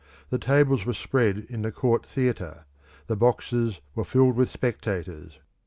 The tables were spread in the court theatre: the boxes were filled with spectators.